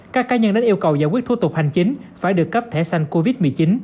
các cá nhân đến yêu cầu giải quyết thu tục hành chính phải được cấp thẻ sanh covid một mươi chín